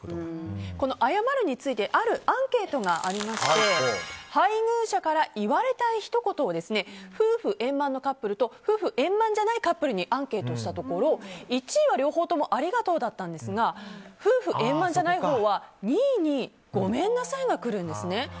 この謝るについてあるアンケートがありまして配偶者から言われたいひと言を夫婦円満のカップルと夫婦円満じゃないカップルにアンケートをしたところ１位は両方ともありがとうだったんですが夫婦円満じゃないほうは２位にごめんなさいが来るんですね。